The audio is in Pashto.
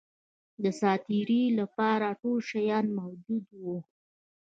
د سات تېري لپاره ټول شیان موجود وه.